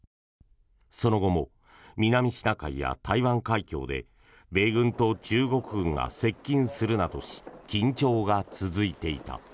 その後も南シナ海や台湾海峡で米軍と中国軍が接近するなどし緊張が続いていた。